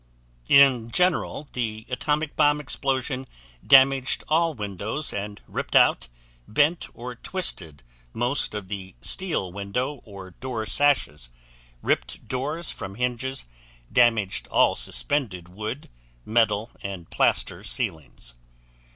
In general, the atomic bomb explosion damaged all windows and ripped out, bent, or twisted most of the steel window or door sashes, ripped doors from hinges, damaged all suspended wood, metal, and plaster ceilings.